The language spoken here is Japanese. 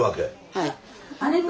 はい。